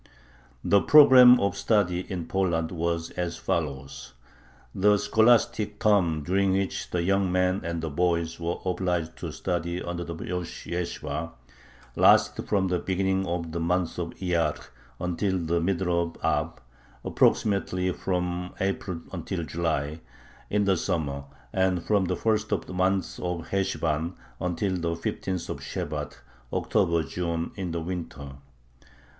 The program of study in Poland was as follows: The scholastic term during which the young men and the boys were obliged to study under the rosh yeshibah lasted from the beginning of the month of Iyyar until the middle of Ab [approximately from April until July] in the summer and from the first of the month of Heshvan until the fifteenth of Shebat [October June] in the winter.